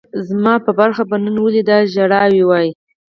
زما په برخه به نن ولي دا ژړاوای